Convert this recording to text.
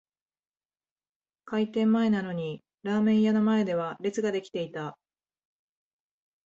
開店前なのにラーメン屋の前では列が出来ていた